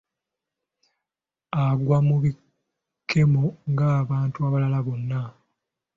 Agwa mu bikemo ng’abantu abalala bonna